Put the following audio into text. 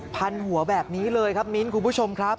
พันหัวแบบนี้เลยครับมิ้นคุณผู้ชมครับ